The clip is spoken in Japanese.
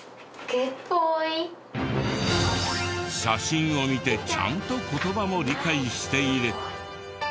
写真を見てちゃんと言葉も理解している。